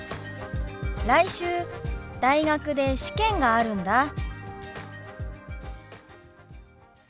来週大学で試験があるんだ。